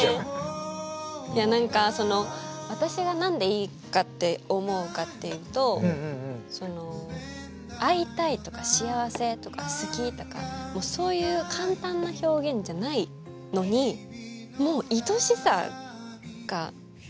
いや何かその私が何でいいかって思うかっていうとその会いたいとか幸せとか好きとかそういう簡単な表現じゃないのにもういとしさが詰まってるっていうか